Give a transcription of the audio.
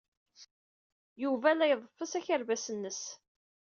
Yuba la iḍeffes akerbas-nnes.